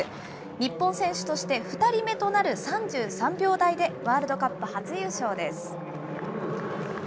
日本選手として２人目となる３３秒台でワールドカップ初優勝です。